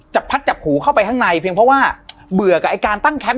พัดจับหูเข้าไปข้างในเพียงเพราะว่าเบื่อกับไอ้การตั้งแคมป